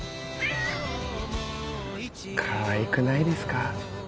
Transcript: かわいくないですか？